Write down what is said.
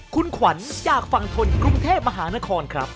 คุณขวัญจากฝั่งทนกรุงเทพมหานครครับ